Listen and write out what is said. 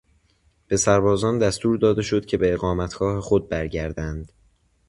به سربازان دستور داده شد که به اقامتگاه خود برگردند.